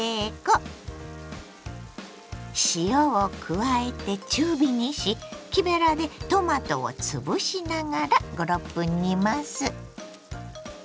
加えて中火にし木べらでトマトをつぶしながら５６分煮ます。